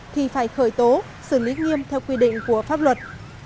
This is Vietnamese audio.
thì phải khởi tố xử lý nghiêm theo quy định của pháp luật